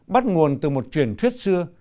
bắt nguồn từ một truyền thuyết xưa